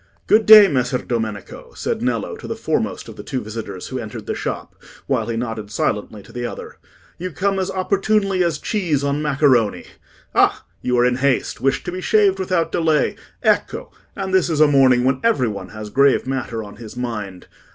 "Good day, Messer Domenico," said Nello to the foremost of the two visitors who entered the shop, while he nodded silently to the other. "You come as opportunely as cheese on macaroni. Ah! you are in haste—wish to be shaved without delay—ecco! And this is a morning when every one has grave matter on his mind.